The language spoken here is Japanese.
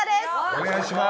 お願いします！